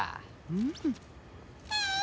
うん。